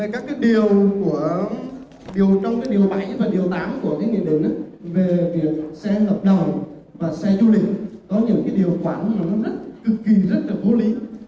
đặc biệt xe gặp đầu và xe du lịch có những điều khoản rất vô lý